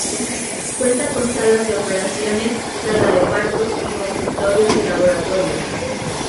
Cuenta con salas de operaciones, sala de partos y consultorios y laboratorios.